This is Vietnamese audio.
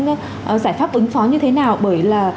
giải pháp ứng phó như thế nào bởi là